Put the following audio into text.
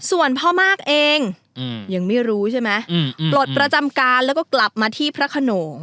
ส่วนพ่อมากเองยังไม่รู้ใช่ไหมปลดประจำการแล้วก็กลับมาที่พระขนง